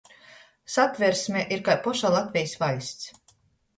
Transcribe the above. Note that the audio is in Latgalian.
Satversme ir kai poša Latvejis vaļsts —